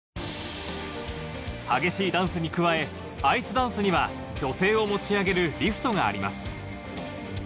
激しいダンスに加えアイスダンスには女性を持ち上げるリフトがあります